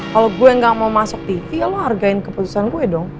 kalo gue gak mau masuk tv ya lo hargai keputusan gue dong